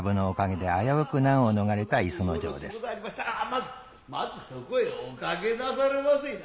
まずまずそこへおかけなされませいな。